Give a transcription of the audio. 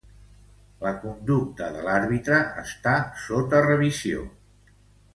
La conducta de l'àrbitre està sota revisió.